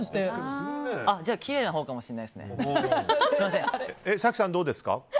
じゃあ、きれいなほうかもしれないですね。